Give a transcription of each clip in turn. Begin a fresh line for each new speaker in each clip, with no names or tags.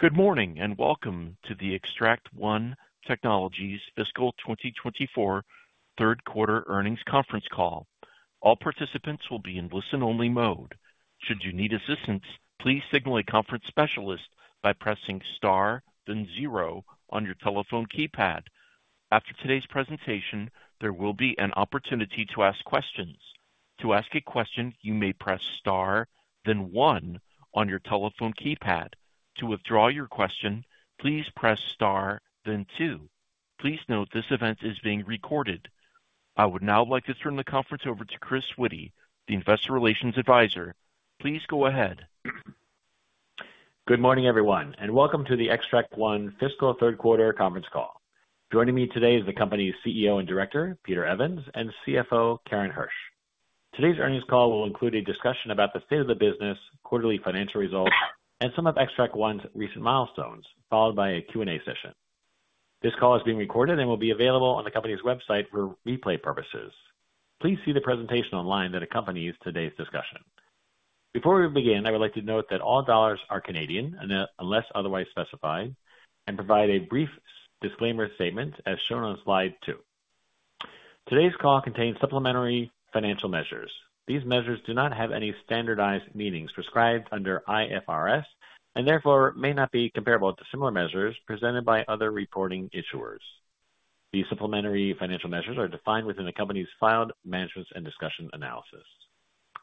Good morning and welcome to the Xtract One Technologies Fiscal 2024 third-quarter earnings conference call. All participants will be in listen-only mode. Should you need assistance, please signal a conference specialist by pressing star, then zero, on your telephone keypad. After today's presentation, there will be an opportunity to ask questions. To ask a question, you may press star, then one, on your telephone keypad. To withdraw your question, please press star, then two. Please note this event is being recorded. I would now like to turn the conference over to Chris Witty, the investor relations advisor. Please go ahead.
Good morning, everyone, and welcome to the Xtract One Fiscal Third Quarter conference call. Joining me today is the company's CEO and director, Peter Evans, and CFO, Karen Hersh. Today's earnings call will include a discussion about the state of the business, quarterly financial results, and some of Xtract One's recent milestones, followed by a Q&A session. This call is being recorded and will be available on the company's website for replay purposes. Please see the presentation online that accompanies today's discussion. Before we begin, I would like to note that all dollars are Canadian unless otherwise specified, and provide a brief disclaimer statement as shown on slide two. Today's call contains supplementary financial measures. These measures do not have any standardized meanings prescribed under IFRS and therefore may not be comparable to similar measures presented by other reporting issuers. These supplementary financial measures are defined within the company's filed management's discussion and analysis.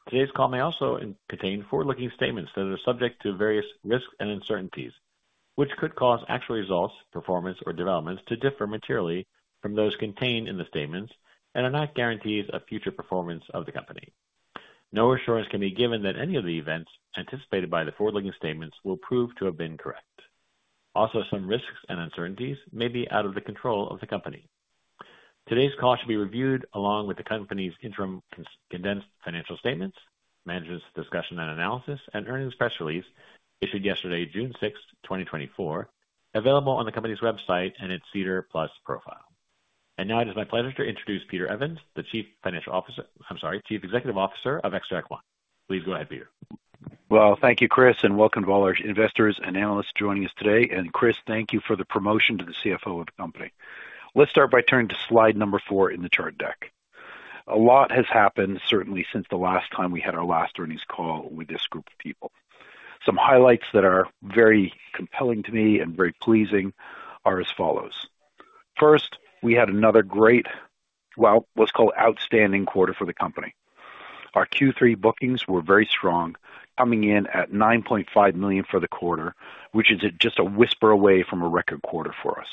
Today's call may also contain forward-looking statements that are subject to various risks and uncertainties, which could cause actual results, performance, or developments to differ materially from those contained in the statements and are not guarantees of future performance of the company. No assurance can be given that any of the events anticipated by the forward-looking statements will prove to have been correct. Also, some risks and uncertainties may be out of the control of the company. Today's call should be reviewed along with the company's interim condensed financial statements, management's discussion and analysis, and earnings press release issued yesterday, June 6th, 2024, available on the company's website and its SEDAR+ profile. And now it is my pleasure to introduce Peter Evans, the Chief Financial Officer - I'm sorry, Chief Executive Officer of Xtract One. Please go ahead, Peter.
Well, thank you, Chris, and welcome to all our investors and analysts joining us today. Chris, thank you for the promotion to the CFO of the company. Let's start by turning to slide number four in the chart deck. A lot has happened, certainly, since the last time we had our last earnings call with this group of people. Some highlights that are very compelling to me and very pleasing are as follows. First, we had another great, well, what's called outstanding quarter for the company. Our Q3 bookings were very strong, coming in at 9.5 million for the quarter, which is just a whisper away from a record quarter for us.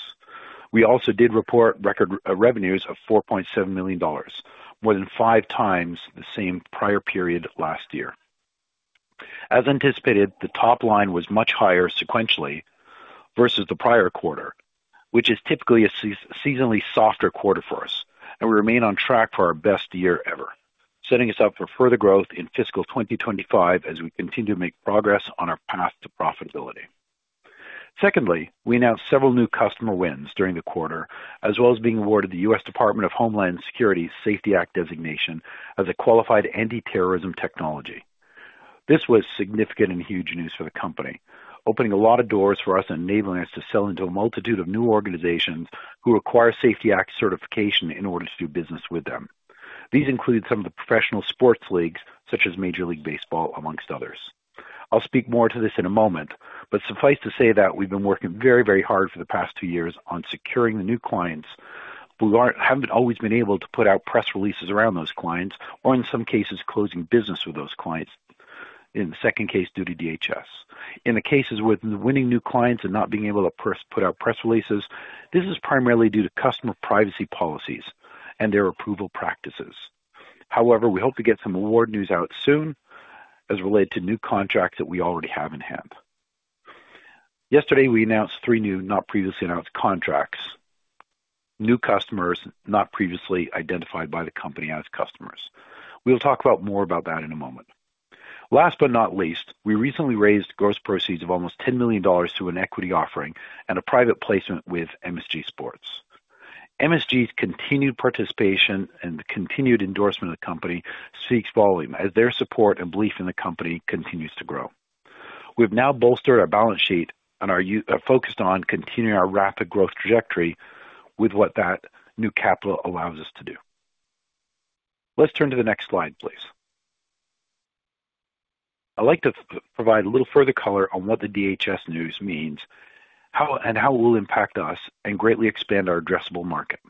We also did report record revenues of 4.7 million dollars, more than five times the same prior period last year. As anticipated, the top line was much higher sequentially versus the prior quarter, which is typically a seasonally softer quarter for us, and we remain on track for our best year ever, setting us up for further growth in fiscal 2025 as we continue to make progress on our path to profitability. Secondly, we announced several new customer wins during the quarter, as well as being awarded the U.S. Department of Homeland Security SAFETY Act designation as a Qualified Anti-Terrorism Technology. This was significant and huge news for the company, opening a lot of doors for us and enabling us to sell into a multitude of new organizations who require SAFETY Act certification in order to do business with them. These include some of the professional sports leagues, such as Major League Baseball, among others. I'll speak more to this in a moment, but suffice to say that we've been working very, very hard for the past two years on securing the new clients. We haven't always been able to put out press releases around those clients or, in some cases, closing business with those clients, in the second case due to DHS. In the cases with winning new clients and not being able to put out press releases, this is primarily due to customer privacy policies and their approval practices. However, we hope to get some award news out soon as related to new contracts that we already have in hand. Yesterday, we announced three new, not previously announced contracts, new customers not previously identified by the company as customers. We'll talk more about that in a moment. Last but not least, we recently raised gross proceeds of almost 10 million dollars through an equity offering and a private placement with MSG Sports. MSG's continued participation and continued endorsement of the company speaks volumes as their support and belief in the company continues to grow. We've now bolstered our balance sheet and are focused on continuing our rapid growth trajectory with what that new capital allows us to do. Let's turn to the next slide, please. I'd like to provide a little further color on what the DHS news means and how it will impact us and greatly expand our addressable market.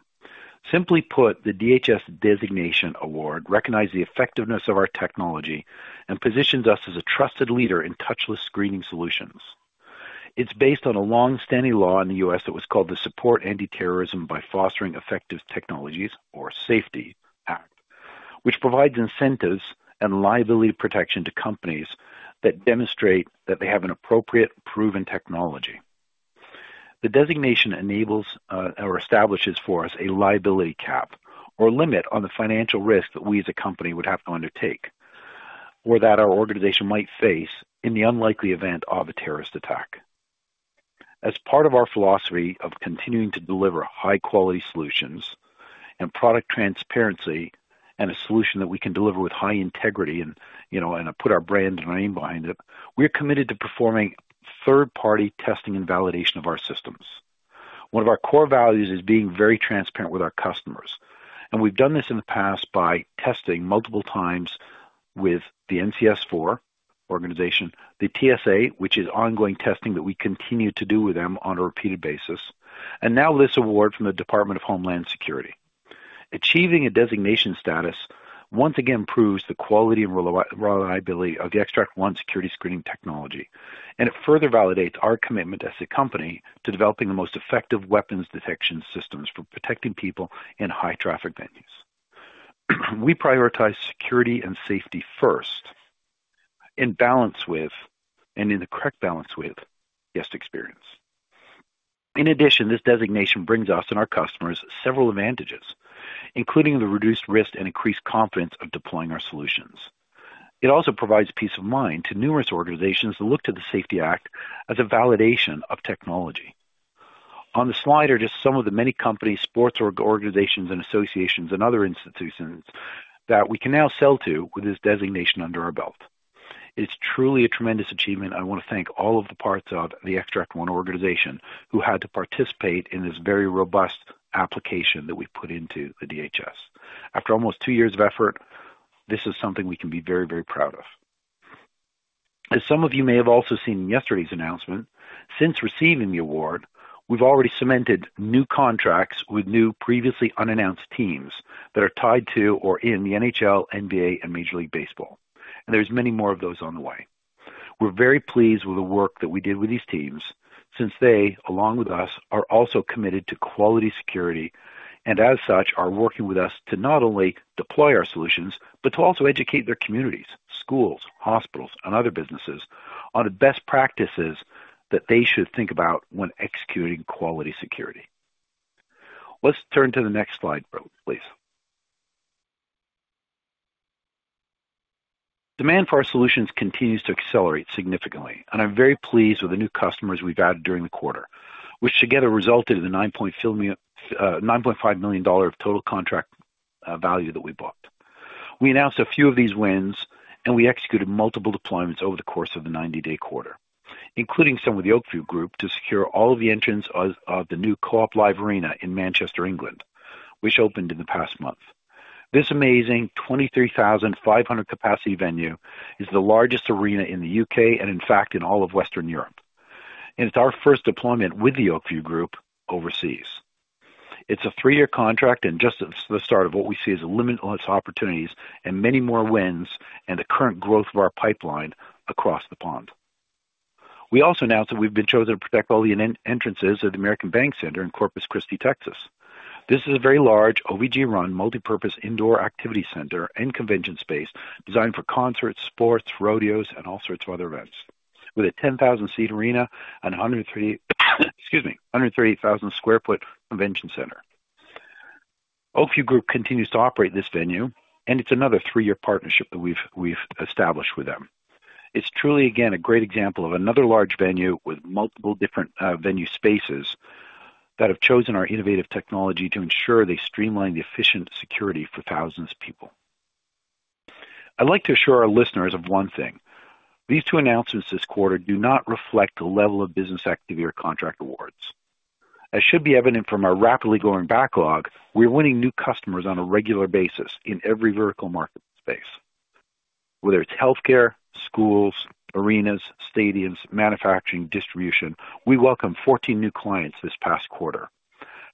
Simply put, the DHS designation award recognizes the effectiveness of our technology and positions us as a trusted leader in touchless screening solutions. It's based on a long-standing law in the U.S. that was called the Support Anti-Terrorism by Fostering Effective Technologies Act or SAFETY Act, which provides incentives and liability protection to companies that demonstrate that they have an appropriate, proven technology. The designation enables or establishes for us a liability cap or limit on the financial risk that we as a company would have to undertake or that our organization might face in the unlikely event of a terrorist attack. As part of our philosophy of continuing to deliver high-quality solutions and product transparency and a solution that we can deliver with high integrity and put our brand and name behind it, we're committed to performing third-party testing and validation of our systems. One of our core values is being very transparent with our customers. We've done this in the past by testing multiple times with the NCS4 organization, the TSA, which is ongoing testing that we continue to do with them on a repeated basis, and now this award from the Department of Homeland Security. Achieving a designation status once again proves the quality and reliability of the Xtract One security screening technology, and it further validates our commitment as a company to developing the most effective weapons detection systems for protecting people in high-traffic venues. We prioritize security and safety first in balance with and in the correct balance with guest experience. In addition, this designation brings us and our customers several advantages, including the reduced risk and increased confidence of deploying our solutions. It also provides peace of mind to numerous organizations that look to the SAFETY Act as a validation of technology. On the slide are just some of the many companies, sports organizations, and associations and other institutions that we can now sell to with this designation under our belt. It's truly a tremendous achievement. I want to thank all of the parts of the Xtract One organization who had to participate in this very robust application that we put into the DHS. After almost two years of effort, this is something we can be very, very proud of. As some of you may have also seen in yesterday's announcement, since receiving the award, we've already cemented new contracts with new, previously unannounced teams that are tied to or in the NHL, NBA, and Major League Baseball. There's many more of those on the way. We're very pleased with the work that we did with these teams since they, along with us, are also committed to quality security and, as such, are working with us to not only deploy our solutions but to also educate their communities, schools, hospitals, and other businesses on the best practices that they should think about when executing quality security. Let's turn to the next slide, please. Demand for our solutions continues to accelerate significantly, and I'm very pleased with the new customers we've added during the quarter, which together resulted in the 9.5 million dollar of total contract value that we booked. We announced a few of these wins, and we executed multiple deployments over the course of the 90-day quarter, including some with the Oak View Group to secure all of the entrance of the new Co-op Live Arena in Manchester, England, which opened in the past month. This amazing 23,500-capacity venue is the largest arena in the U.K. and, in fact, in all of Western Europe. It's our first deployment with the Oak View Group overseas. It's a three-year contract and just the start of what we see as limitless opportunities and many more wins and the current growth of our pipeline across the pond. We also announced that we've been chosen to protect all the entrances of the American Bank Center in Corpus Christi, Texas. This is a very large OVG-run multipurpose indoor activity center and convention space designed for concerts, sports, rodeos, and all sorts of other events, with a 10,000-seat arena and, excuse me, 130,000-square-foot convention center. Oak View Group continues to operate this venue, and it's another three-year partnership that we've established with them. It's truly, again, a great example of another large venue with multiple different venue spaces that have chosen our innovative technology to ensure they streamline the efficient security for thousands of people. I'd like to assure our listeners of one thing. These two announcements this quarter do not reflect the level of business activity or contract awards. As should be evident from our rapidly growing backlog, we're winning new customers on a regular basis in every vertical market space. Whether it's healthcare, schools, arenas, stadiums, manufacturing, distribution, we welcomed 14 new clients this past quarter.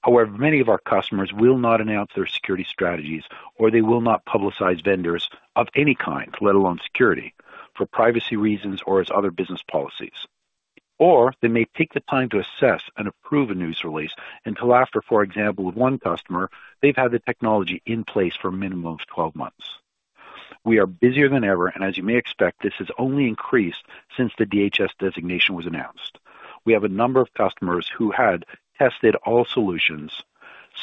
However, many of our customers will not announce their security strategies, or they will not publicize vendors of any kind, let alone security, for privacy reasons or as other business policies. Or they may take the time to assess and approve a news release until after, for example, with one customer, they've had the technology in place for a minimum of 12 months. We are busier than ever, and as you may expect, this has only increased since the DHS designation was announced. We have a number of customers who had tested all solutions,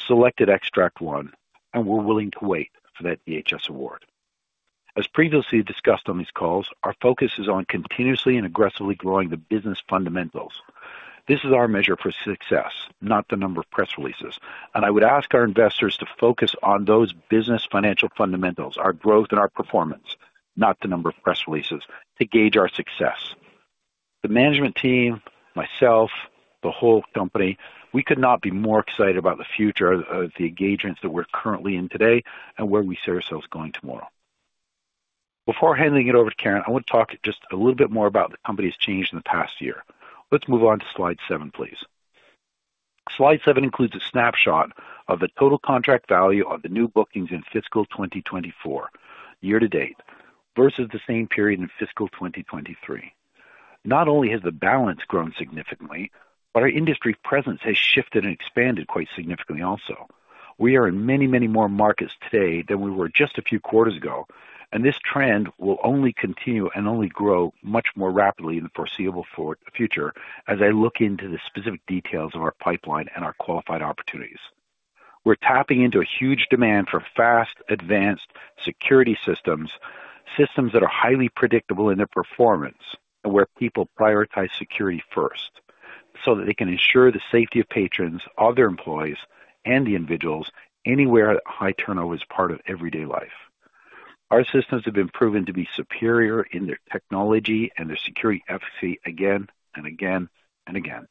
selected Xtract One, and were willing to wait for that DHS award. As previously discussed on these calls, our focus is on continuously and aggressively growing the business fundamentals. This is our measure for success, not the number of press releases. I would ask our investors to focus on those business financial fundamentals, our growth and our performance, not the number of press releases, to gauge our success. The management team, myself, the whole company, we could not be more excited about the future of the engagements that we're currently in today and where we see ourselves going tomorrow. Before handing it over to Karen, I want to talk just a little bit more about the company's change in the past year. Let's move on to slide seven, please. Slide seven includes a snapshot of the total contract value of the new bookings in fiscal 2024, year to date, versus the same period in fiscal 2023. Not only has the balance grown significantly, but our industry presence has shifted and expanded quite significantly also. We are in many, many more markets today than we were just a few quarters ago, and this trend will only continue and only grow much more rapidly in the foreseeable future as I look into the specific details of our pipeline and our qualified opportunities. We're tapping into a huge demand for fast, advanced security systems, systems that are highly predictable in their performance and where people prioritize security first so that they can ensure the safety of patrons, other employees, and the individuals anywhere high turnover is part of everyday life. Our systems have been proven to be superior in their technology and their security efficacy again and again and again.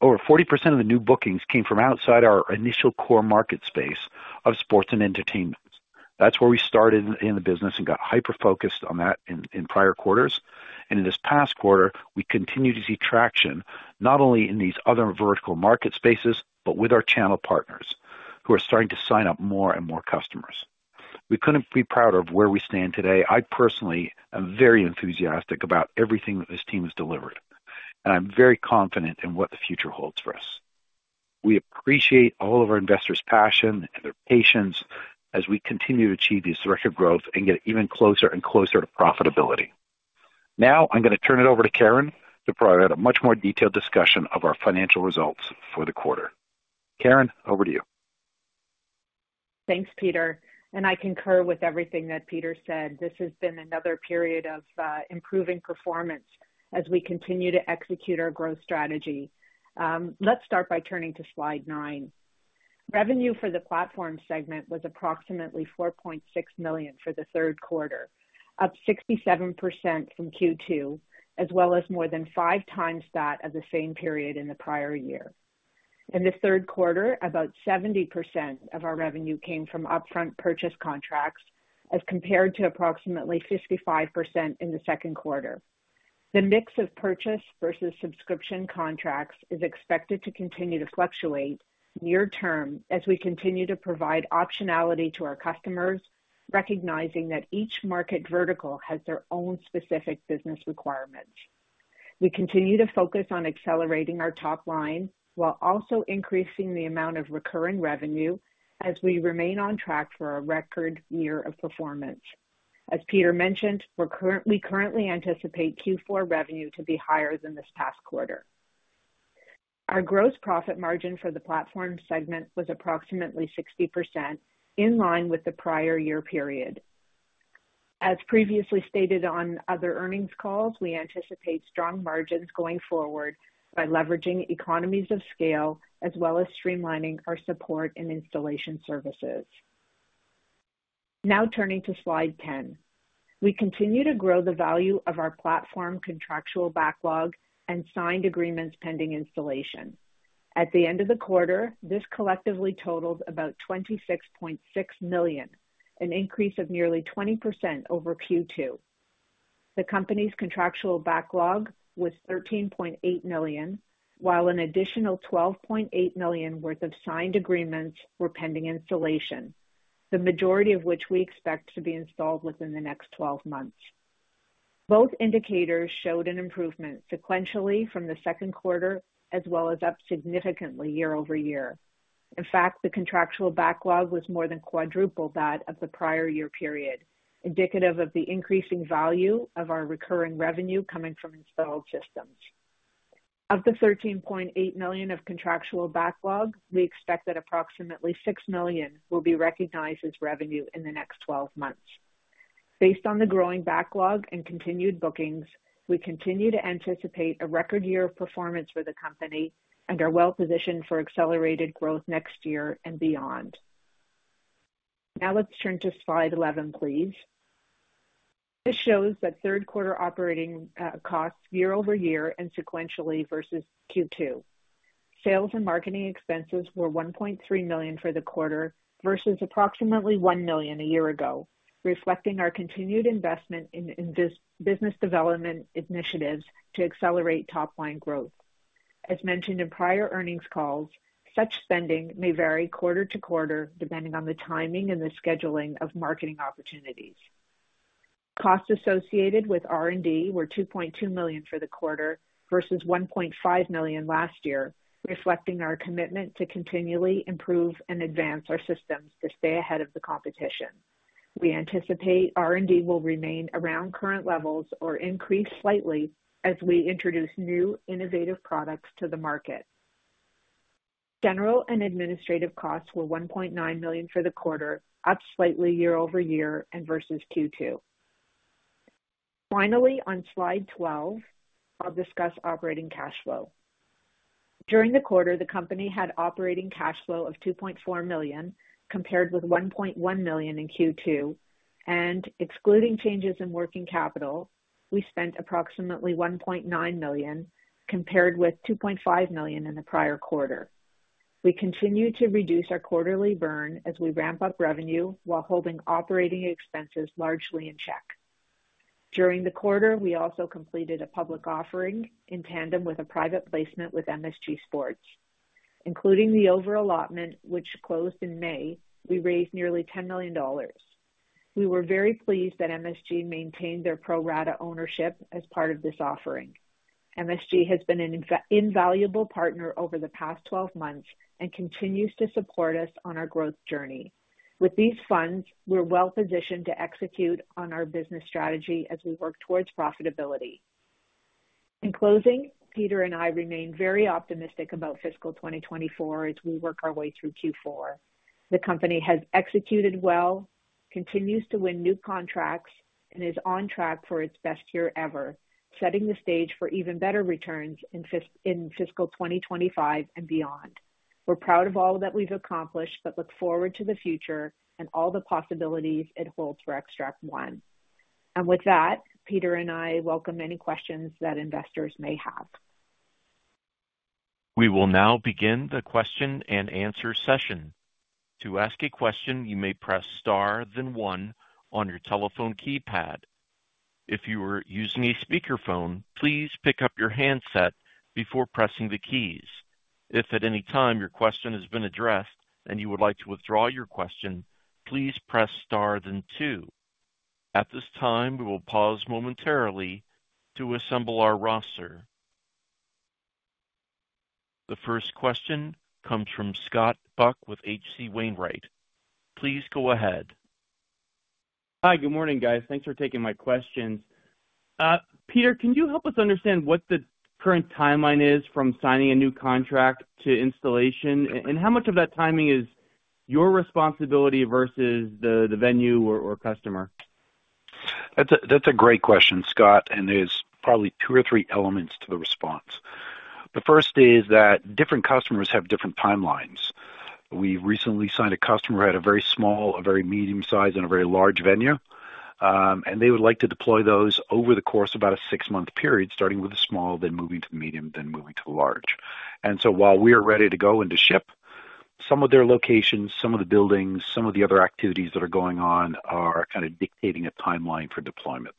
Over 40% of the new bookings came from outside our initial core market space of sports and entertainment. That's where we started in the business and got hyper-focused on that in prior quarters. In this past quarter, we continue to see traction not only in these other vertical market spaces but with our channel partners who are starting to sign up more and more customers. We couldn't be prouder of where we stand today. I personally am very enthusiastic about everything that this team has delivered, and I'm very confident in what the future holds for us. We appreciate all of our investors' passion and their patience as we continue to achieve this record growth and get even closer and closer to profitability. Now, I'm going to turn it over to Karen to provide a much more detailed discussion of our financial results for the quarter. Karen, over to you.
Thanks, Peter. I concur with everything that Peter said. This has been another period of improving performance as we continue to execute our growth strategy. Let's start by turning to slide nine. Revenue for the platform segment was approximately 4.6 million for the third quarter, up 67% from Q2, as well as more than five times that of the same period in the prior year. In the third quarter, about 70% of our revenue came from upfront purchase contracts as compared to approximately 55% in the second quarter. The mix of purchase versus subscription contracts is expected to continue to fluctuate near-term as we continue to provide optionality to our customers, recognizing that each market vertical has their own specific business requirements. We continue to focus on accelerating our top line while also increasing the amount of recurring revenue as we remain on track for a record year of performance. As Peter mentioned, we currently anticipate Q4 revenue to be higher than this past quarter. Our gross profit margin for the platform segment was approximately 60%, in line with the prior year period. As previously stated on other earnings calls, we anticipate strong margins going forward by leveraging economies of scale as well as streamlining our support and installation services. Now turning to slide 10, we continue to grow the value of our platform contractual backlog and signed agreements pending installation. At the end of the quarter, this collectively totaled about 26.6 million, an increase of nearly 20% over Q2. The company's contractual backlog was 13.8 million, while an additional 12.8 million worth of signed agreements were pending installation, the majority of which we expect to be installed within the next 12 months. Both indicators showed an improvement sequentially from the second quarter as well as up significantly year-over-year. In fact, the contractual backlog was more than quadruple that of the prior year period, indicative of the increasing value of our recurring revenue coming from installed systems. Of the 13.8 million of contractual backlog, we expect that approximately 6 million will be recognized as revenue in the next 12 months. Based on the growing backlog and continued bookings, we continue to anticipate a record year of performance for the company and are well-positioned for accelerated growth next year and beyond. Now, let's turn to slide 11, please. This shows that third-quarter operating costs year-over-year and sequentially versus Q2. Sales and marketing expenses were 1.3 million for the quarter versus approximately 1 million a year ago, reflecting our continued investment in business development initiatives to accelerate top-line growth. As mentioned in prior earnings calls, such spending may vary quarter to quarter depending on the timing and the scheduling of marketing opportunities. Costs associated with R&D were 2.2 million for the quarter versus 1.5 million last year, reflecting our commitment to continually improve and advance our systems to stay ahead of the competition. We anticipate R&D will remain around current levels or increase slightly as we introduce new innovative products to the market. General and administrative costs were 1.9 million for the quarter, up slightly year-over-year and versus Q2. Finally, on slide 12, I'll discuss operating cash flow. During the quarter, the company had operating cash flow of 2.4 million compared with 1.1 million in Q2. Excluding changes in working capital, we spent approximately 1.9 million compared with 2.5 million in the prior quarter. We continue to reduce our quarterly burn as we ramp up revenue while holding operating expenses largely in check. During the quarter, we also completed a public offering in tandem with a private placement with MSG Sports. Including the overallotment, which closed in May, we raised nearly 10 million dollars. We were very pleased that MSG maintained their pro-rata ownership as part of this offering. MSG has been an invaluable partner over the past 12 months and continues to support us on our growth journey. With these funds, we're well-positioned to execute on our business strategy as we work towards profitability. In closing, Peter and I remain very optimistic about fiscal 2024 as we work our way through Q4. The company has executed well, continues to win new contracts, and is on track for its best year ever, setting the stage for even better returns in fiscal 2025 and beyond. We're proud of all that we've accomplished but look forward to the future and all the possibilities it holds for Xtract One. And with that, Peter and I welcome any questions that investors may have.
We will now begin the question and answer session. To ask a question, you may press star then one on your telephone keypad. If you are using a speakerphone, please pick up your handset before pressing the keys. If at any time your question has been addressed and you would like to withdraw your question, please press star then two. At this time, we will pause momentarily to assemble our roster. The first question comes from Scott Buck with H.C. Wainwright. Please go ahead.
Hi, good morning, guys. Thanks for taking my questions. Peter, can you help us understand what the current timeline is from signing a new contract to installation? How much of that timing is your responsibility versus the venue or customer?
That's a great question, Scott, and there's probably 2 or 3 elements to the response. The first is that different customers have different timelines. We recently signed a customer who had a very small, a very medium-sized, and a very large venue, and they would like to deploy those over the course of about a 6-month period, starting with the small, then moving to the medium, then moving to the large. And so while we are ready to go into ship, some of their locations, some of the buildings, some of the other activities that are going on are kind of dictating a timeline for deployment.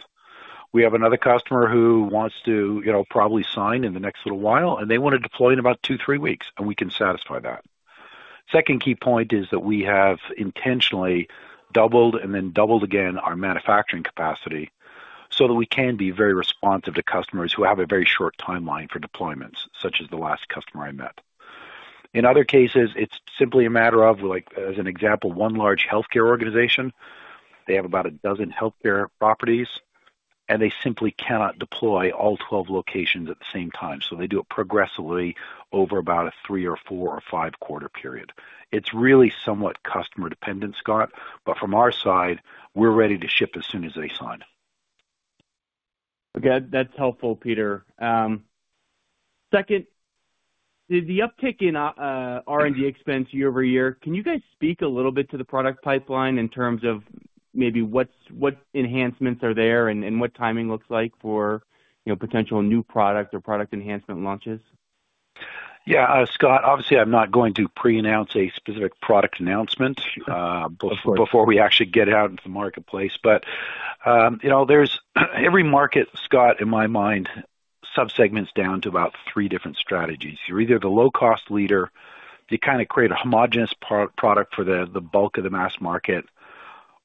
We have another customer who wants to probably sign in the next little while, and they want to deploy in about 2-3 weeks, and we can satisfy that. Second key point is that we have intentionally doubled and then doubled again our manufacturing capacity so that we can be very responsive to customers who have a very short timeline for deployments, such as the last customer I met. In other cases, it's simply a matter of, as an example, one large healthcare organization. They have about 12 healthcare properties, and they simply cannot deploy all 12 locations at the same time. So they do it progressively over about a 3 or 4 or 5-quarter period. It's really somewhat customer-dependent, Scott, but from our side, we're ready to ship as soon as they sign.
Okay, that's helpful, Peter. Second, the uptick in R&D expense year-over-year, can you guys speak a little bit to the product pipeline in terms of maybe what enhancements are there and what timing looks like for potential new product or product enhancement launches?
Yeah, Scott, obviously, I'm not going to pre-announce a specific product announcement before we actually get out into the marketplace. But every market, Scott, in my mind, subsegments down to about three different strategies. You're either the low-cost leader, you kind of create a homogenous product for the bulk of the mass market,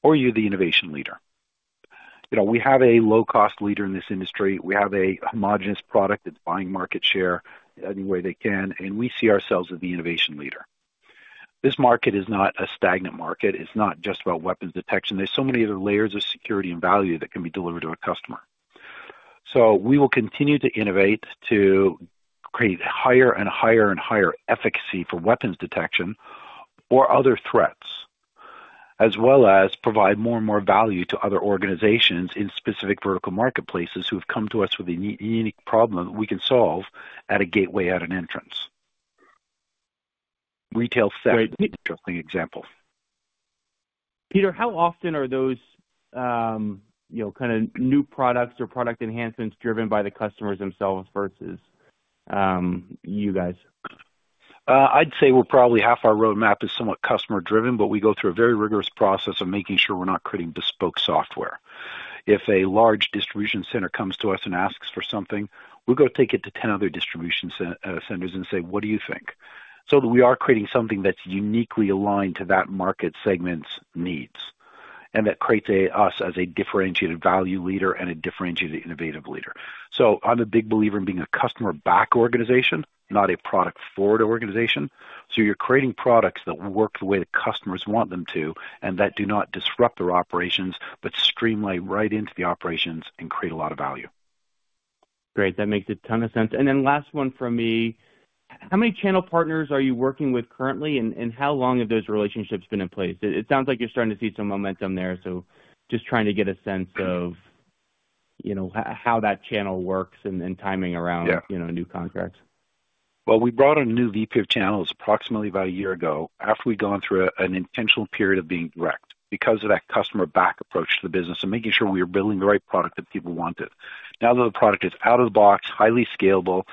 or you're the innovation leader. We have a low-cost leader in this industry. We have a homogenous product that's buying market share any way they can, and we see ourselves as the innovation leader. This market is not a stagnant market. It's not just about weapons detection. There's so many other layers of security and value that can be delivered to a customer. So we will continue to innovate to create higher and higher and higher efficacy for weapons detection or other threats, as well as provide more and more value to other organizations in specific vertical marketplaces who have come to us with a unique problem that we can solve at a gateway, at an entrance. Retail theft is an interesting example.
Peter, how often are those kind of new products or product enhancements driven by the customers themselves versus you guys?
I'd say we're probably half our roadmap is somewhat customer-driven, but we go through a very rigorous process of making sure we're not creating bespoke software. If a large distribution center comes to us and asks for something, we go take it to 10 other distribution centers and say, "What do you think?" So we are creating something that's uniquely aligned to that market segment's needs, and that creates us as a differentiated value leader and a differentiated innovative leader. So I'm a big believer in being a customer-backed organization, not a product-forward organization. So you're creating products that work the way the customers want them to and that do not disrupt their operations but streamline right into the operations and create a lot of value.
Great. That makes a ton of sense. And then last one from me. How many channel partners are you working with currently, and how long have those relationships been in place? It sounds like you're starting to see some momentum there, so just trying to get a sense of how that channel works and timing around new contracts.
Well, we brought in new VPIP channels approximately about a year ago after we'd gone through an intentional period of being direct because of that customer-backed approach to the business and making sure we were building the right product that people wanted. Now that the product is out of the box, highly scalable,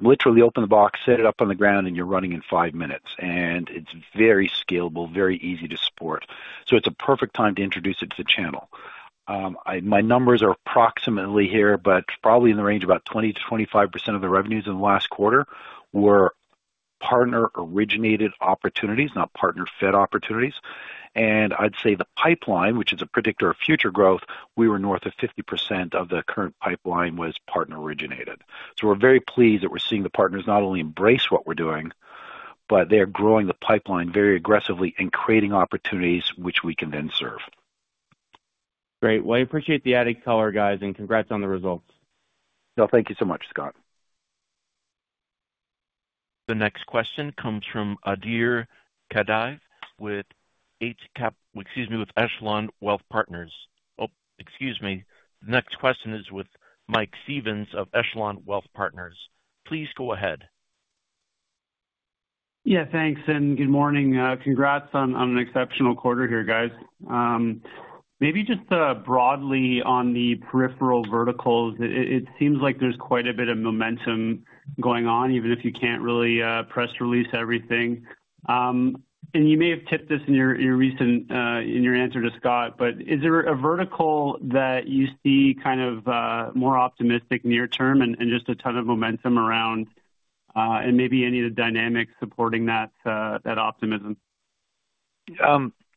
literally open the box, set it up on the ground, and you're running in 5 minutes. And it's very scalable, very easy to support. So it's a perfect time to introduce it to the channel. My numbers are approximately here, but probably in the range of about 20%-25% of the revenues in the last quarter were partner-originated opportunities, not partner-fed opportunities. I'd say the pipeline, which is a predictor of future growth, we were north of 50% of the current pipeline was partner-originated. So we're very pleased that we're seeing the partners not only embrace what we're doing, but they're growing the pipeline very aggressively and creating opportunities which we can then serve.
Great. Well, I appreciate the added color, guys, and congrats on the results.
Well, thank you so much, Scott.
The next question comes from Adir Kadiv with Eight Capital, excuse me, with Echelon Wealth Partners. Oh, excuse me. The next question is with Mike Stephens of Echelon Wealth Partners. Please go ahead.
Yeah, thanks. Good morning. Congrats on an exceptional quarter here, guys. Maybe just broadly on the peripheral verticals, it seems like there's quite a bit of momentum going on, even if you can't really press release everything. And you may have tipped this in your answer to Scott, but is there a vertical that you see kind of more optimistic near-term and just a ton of momentum around and maybe any of the dynamics supporting that optimism?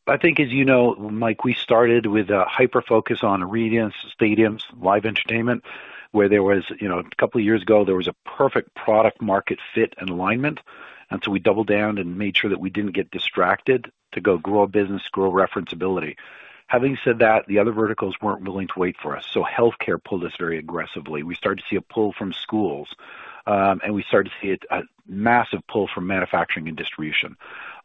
I think, as you know, Mike, we started with a hyper-focus on arenas and stadiums, live entertainment, where there was a couple of years ago, there was a perfect product-market fit and alignment. And so we doubled down and made sure that we didn't get distracted to go grow a business, grow referenceability. Having said that, the other verticals weren't willing to wait for us. So healthcare pulled us very aggressively. We started to see a pull from schools, and we started to see a massive pull from manufacturing and distribution.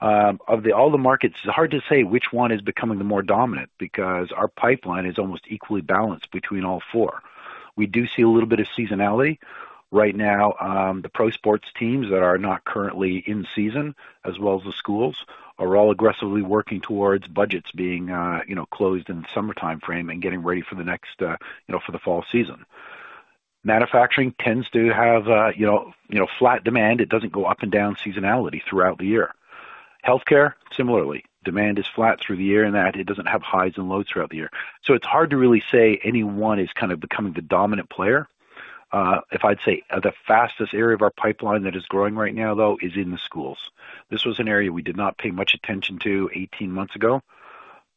Of all the markets, it's hard to say which one is becoming the more dominant because our pipeline is almost equally balanced between all four. We do see a little bit of seasonality. Right now, the pro sports teams that are not currently in season, as well as the schools, are all aggressively working towards budgets being closed in the summertime frame and getting ready for the next for the fall season. Manufacturing tends to have flat demand. It doesn't go up and down seasonality throughout the year. Healthcare, similarly, demand is flat through the year in that it doesn't have highs and lows throughout the year. So it's hard to really say any one is kind of becoming the dominant player. If I'd say the fastest area of our pipeline that is growing right now, though, is in the schools. This was an area we did not pay much attention to 18 months ago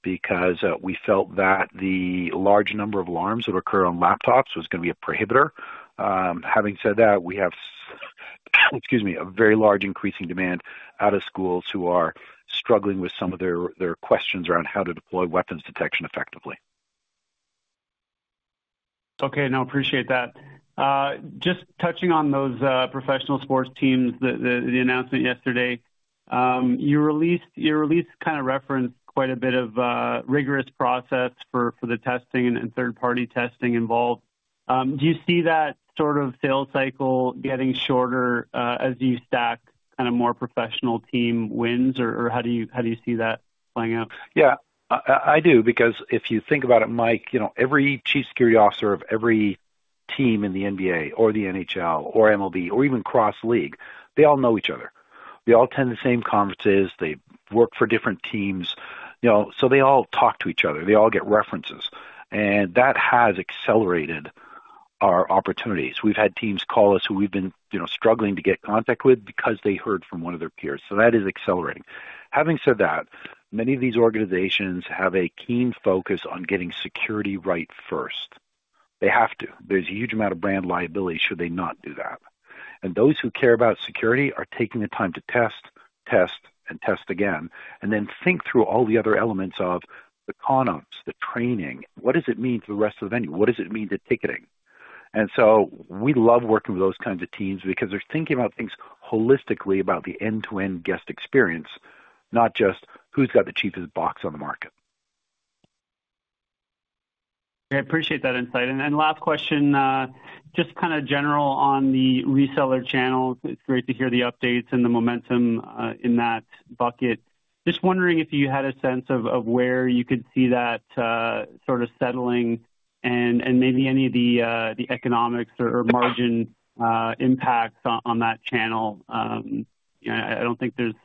because we felt that the large number of alarms that occur on laptops was going to be a prohibitor. Having said that, we have, excuse me, a very large increasing demand out of schools who are struggling with some of their questions around how to deploy weapons detection effectively.
Okay. No, appreciate that. Just touching on those professional sports teams, the announcement yesterday, your release kind of referenced quite a bit of rigorous process for the testing and third-party testing involved. Do you see that sort of sales cycle getting shorter as you stack kind of more professional team wins, or how do you see that playing out?
Yeah, I do, because if you think about it, Mike, every chief security officer of every team in the NBA or the NHL or MLB or even cross league, they all know each other. They all attend the same conferences. They work for different teams. So they all talk to each other. They all get references. And that has accelerated our opportunities. We've had teams call us who we've been struggling to get contact with because they heard from one of their peers. So that is accelerating. Having said that, many of these organizations have a keen focus on getting security right first. They have to. There's a huge amount of brand liability should they not do that. And those who care about security are taking the time to test, test, and test again, and then think through all the other elements of the ConOps, the training. What does it mean for the rest of the venue? What does it mean to ticketing? And so we love working with those kinds of teams because they're thinking about things holistically about the end-to-end guest experience, not just who's got the cheapest box on the market.
I appreciate that insight. Last question, just kind of general on the reseller channels. It's great to hear the updates and the momentum in that bucket. Just wondering if you had a sense of where you could see that sort of settling and maybe any of the economics or margin impacts on that channel. I don't think there's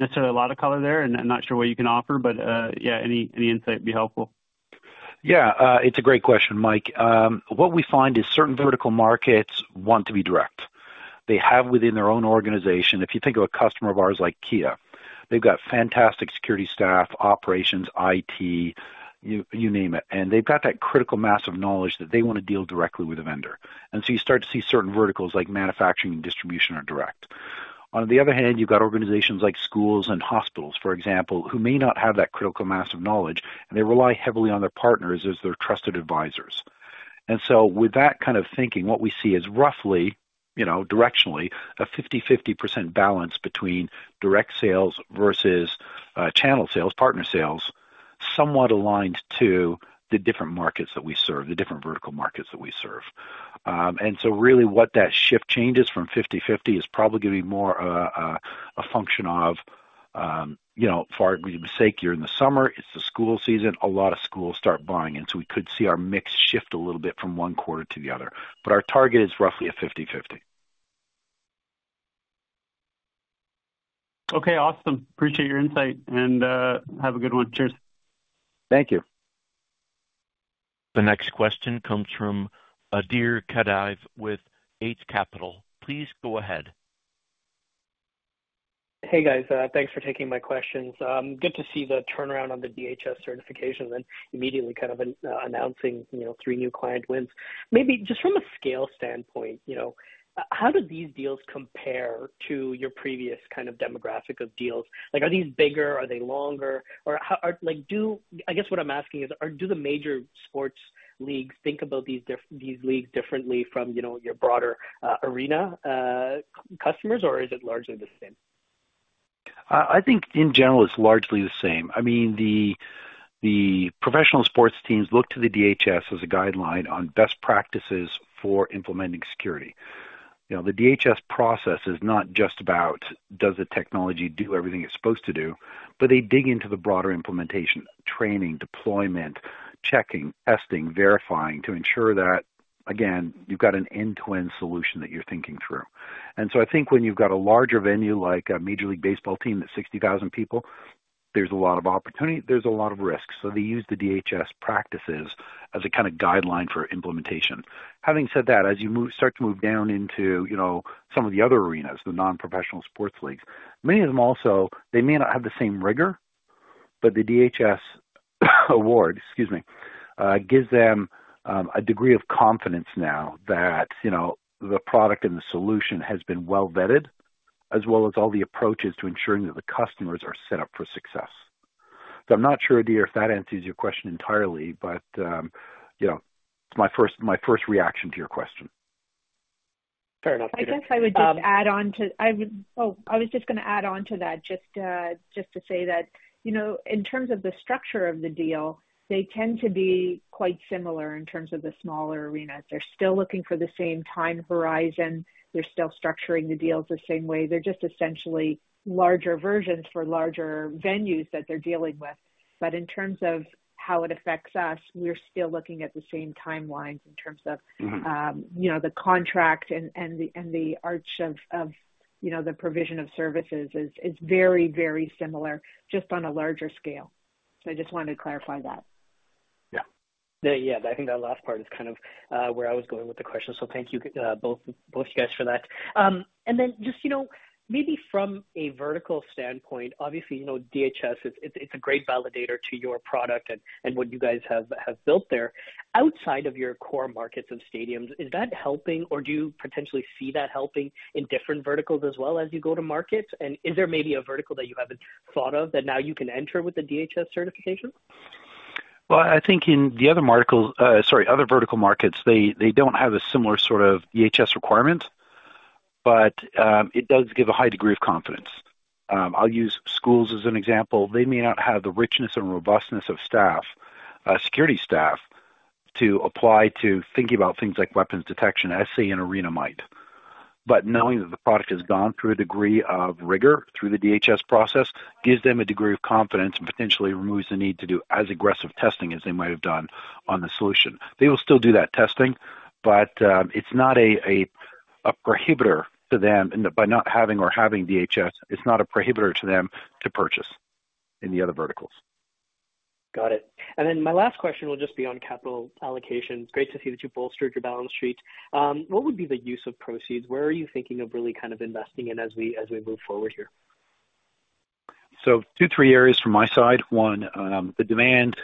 necessarily a lot of color there, and I'm not sure what you can offer, but yeah, any insight would be helpful.
Yeah, it's a great question, Mike. What we find is certain vertical markets want to be direct. They have within their own organization, if you think of a customer of ours like Kia, they've got fantastic security staff, operations, IT, you name it. And they've got that critical mass of knowledge that they want to deal directly with the vendor. And so you start to see certain verticals like manufacturing and distribution are direct. On the other hand, you've got organizations like schools and hospitals, for example, who may not have that critical mass of knowledge, and they rely heavily on their partners as their trusted advisors. And so with that kind of thinking, what we see is roughly, directionally, a 50/50% balance between direct sales versus channel sales, partner sales, somewhat aligned to the different markets that we serve, the different vertical markets that we serve. So really what that shift changes from 50/50 is probably going to be more a function of, for argument's sake, you're in the summer, it's the school season, a lot of schools start buying. And so we could see our mix shift a little bit from one quarter to the other. But our target is roughly a 50/50.
Okay. Awesome. Appreciate your insight, and have a good one. Cheers.
Thank you.
The next question comes from Adir Kadiv with Eight Capital. Please go ahead.
Hey, guys. Thanks for taking my questions. Good to see the turnaround on the DHS certification and immediately kind of announcing 3 new client wins. Maybe just from a scale standpoint, how do these deals compare to your previous kind of demographic of deals? Are these bigger? Are they longer? Or I guess what I'm asking is, do the major sports leagues think about these leagues differently from your broader arena customers, or is it largely the same?
I think in general, it's largely the same. I mean, the professional sports teams look to the DHS as a guideline on best practices for implementing security. The DHS process is not just about, does the technology do everything it's supposed to do, but they dig into the broader implementation, training, deployment, checking, testing, verifying to ensure that, again, you've got an end-to-end solution that you're thinking through. And so I think when you've got a larger venue like a major league baseball team that's 60,000 people, there's a lot of opportunity, there's a lot of risk. So they use the DHS practices as a kind of guideline for implementation. Having said that, as you start to move down into some of the other arenas, the non-professional sports leagues, many of them also, they may not have the same rigor, but the DHS award, excuse me, gives them a degree of confidence now that the product and the solution has been well-vetted, as well as all the approaches to ensuring that the customers are set up for success. So I'm not sure, Adir, if that answers your question entirely, but it's my first reaction to your question.
Fair enough.
I guess I would just add on to, oh, I was just going to add on to that just to say that in terms of the structure of the deal, they tend to be quite similar in terms of the smaller arenas. They're still looking for the same time horizon. They're still structuring the deals the same way. They're just essentially larger versions for larger venues that they're dealing with. But in terms of how it affects us, we're still looking at the same timelines in terms of the contract and the arc of the provision of services is very, very similar just on a larger scale. So I just wanted to clarify that.
Yeah.
Yeah. I think that last part is kind of where I was going with the question. So thank you, both of you guys, for that. And then just maybe from a vertical standpoint, obviously, DHS, it's a great validator to your product and what you guys have built there. Outside of your core markets and stadiums, is that helping, or do you potentially see that helping in different verticals as well as you go to markets? Is there maybe a vertical that you haven't thought of that now you can enter with the DHS certification?
Well, I think in the other verticals, sorry, other vertical markets, they don't have a similar sort of DHS requirement, but it does give a high degree of confidence. I'll use schools as an example. They may not have the richness and robustness of staff, security staff, to apply to thinking about things like weapons detection, stadium and arena might. But knowing that the product has gone through a degree of rigor through the DHS process gives them a degree of confidence and potentially removes the need to do as aggressive testing as they might have done on the solution. They will still do that testing, but it's not a prohibitor to them. By not having or having DHS, it's not a prohibitor to them to purchase in the other verticals.
Got it. Then my last question will just be on capital allocations. Great to see that you bolstered your balance sheet. What would be the use of proceeds? Where are you thinking of really kind of investing in as we move forward here?
Two, three areas from my side. One, the demand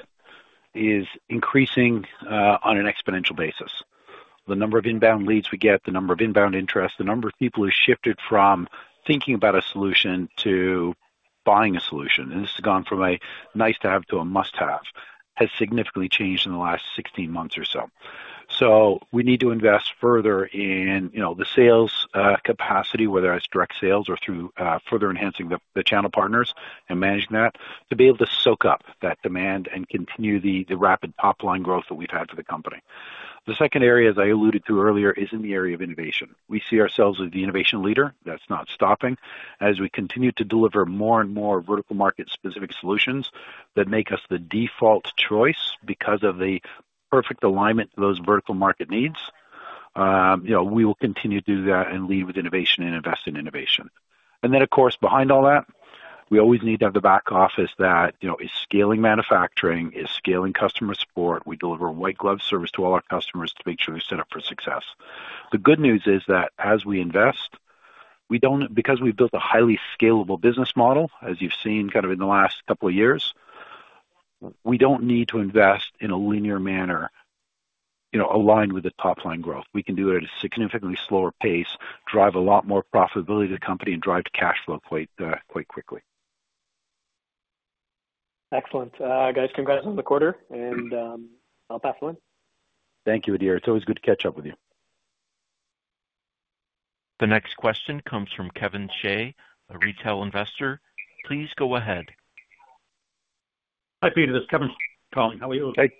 is increasing on an exponential basis. The number of inbound leads we get, the number of inbound interests, the number of people who shifted from thinking about a solution to buying a solution, and this has gone from a nice-to-have to a must-have, has significantly changed in the last 16 months or so. We need to invest further in the sales capacity, whether that's direct sales or through further enhancing the channel partners and managing that, to be able to soak up that demand and continue the rapid top-line growth that we've had for the company. The second area, as I alluded to earlier, is in the area of innovation. We see ourselves as the innovation leader. That's not stopping. As we continue to deliver more and more vertical market-specific solutions that make us the default choice because of the perfect alignment to those vertical market needs, we will continue to do that and lead with innovation and invest in innovation. And then, of course, behind all that, we always need to have the back office that is scaling manufacturing, is scaling customer support. We deliver white-glove service to all our customers to make sure they're set up for success. The good news is that as we invest, because we've built a highly scalable business model, as you've seen kind of in the last couple of years, we don't need to invest in a linear manner aligned with the top-line growth. We can do it at a significantly slower pace, drive a lot more profitability to the company, and drive cash flow quite quickly.
Excellent. Guys, congrats on the quarter, and I'll pass it on.
Thank you, Adir. It's always good to catch up with you.
The next question comes from Kevin Shea, a retail investor. Please go ahead.
Hi, Peter. This is Kevin calling. How are you?
Hey.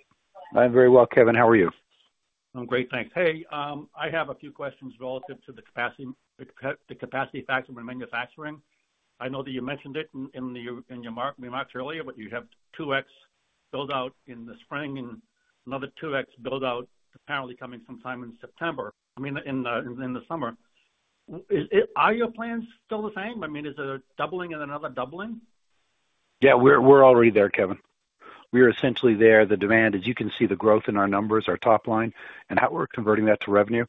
I'm very well, Kevin. How are you?
I'm great. Thanks. Hey, I have a few questions relative to the capacity factor manufacturing. I know that you mentioned it in your remarks earlier, but you have 2X build-out in the spring and another 2X build-out apparently coming sometime in September, I mean, in the summer. Are your plans still the same? I mean, is it a doubling and another doubling?
Yeah, we're already there, Kevin. We are essentially there. The demand, as you can see, the growth in our numbers, our top line, and how we're converting that to revenue.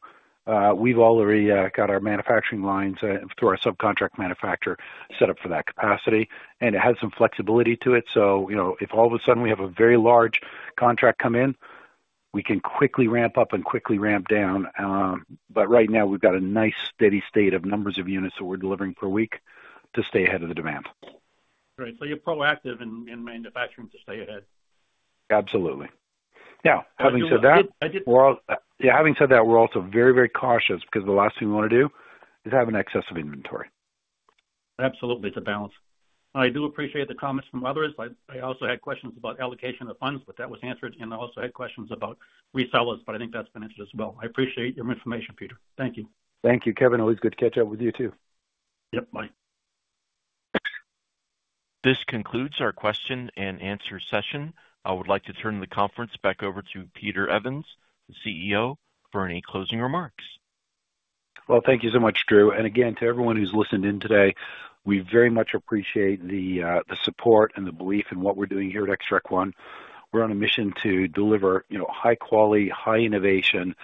We've already got our manufacturing lines through our subcontract manufacturer set up for that capacity, and it has some flexibility to it. So if all of a sudden we have a very large contract come in, we can quickly ramp up and quickly ramp down. But right now, we've got a nice steady state of numbers of units that we're delivering per week to stay ahead of the demand.
Right. So you're proactive in manufacturing to stay ahead.
Absolutely.
Yeah.
Having said that, we're also, yeah, having said that, we're also very, very cautious because the last thing we want to do is have an excess of inventory. Absolutely. It's a balance.
I do appreciate the comments from others. I also had questions about allocation of funds, but that was answered. I also had questions about resellers, but I think that's been answered as well. I appreciate your information, Peter. Thank you.
Thank you, Kevin. Always good to catch up with you too. Yep. Bye.
This concludes our question and answer session. I would like to turn the conference back over to Peter Evans, the CEO, for any closing remarks.
Well, thank you so much, Drew. And again, to everyone who's listened in today, we very much appreciate the support and the belief in what we're doing here at Xtract One. We're on a mission to deliver high-quality, high-innovation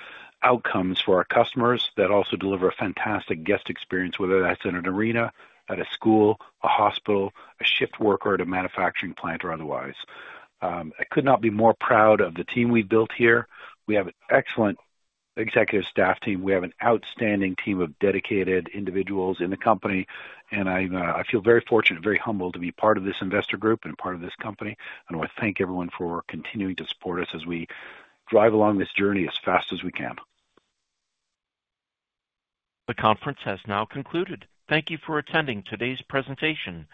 outcomes for our customers that also deliver a fantastic guest experience, whether that's in an arena, at a school, a hospital, a shift worker, at a manufacturing plant, or otherwise. I could not be more proud of the team we've built here. We have an excellent executive staff team. We have an outstanding team of dedicated individuals in the company. I feel very fortunate and very humbled to be part of this investor group and part of this company. I want to thank everyone for continuing to support us as we drive along this journey as fast as we can.
The conference has now concluded. Thank you for attending today's presentation.